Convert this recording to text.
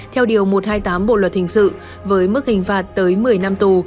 theo điều một trăm hai mươi tám bộ luật hình sự với mức hình phạt tới một mươi năm tù